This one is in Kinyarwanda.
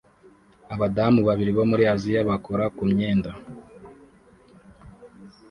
Abadamu babiri bo muri Aziya bakora ku mwenda